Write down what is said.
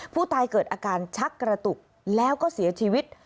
ผู้ตายเกิดอาการชักกระตุกแล้วก็เสียชีวิต